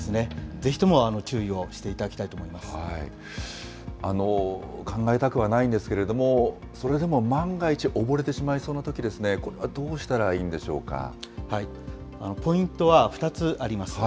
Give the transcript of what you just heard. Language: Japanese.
ぜひとも注意をしていただきたい考えたくはないんですけれども、それでも万が一溺れてしまいそうなとき、これはどうしたらいポイントは２つあります。